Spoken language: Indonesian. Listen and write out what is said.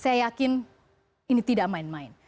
saya yakin ini tidak main main